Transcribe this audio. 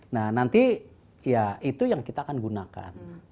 nah nanti ya itu yang kita akan gunakan